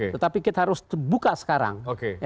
tetapi kita harus terbuka sekarang